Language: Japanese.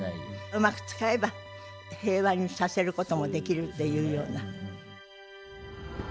うまく使えば平和にさせることもできるっていうような。